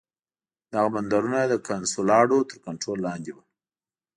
دغه بندرونه د کنسولاډو تر کنټرول لاندې وو.